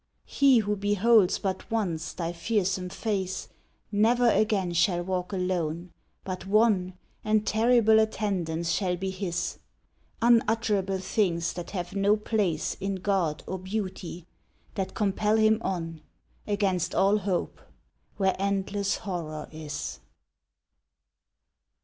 He who beholds but once thy fearsome face, Never again shall walk alone! but wan And terrible attendants shall be his Unutterable things that have no place In God or Beauty that compel him on, Against all hope, where endless horror is.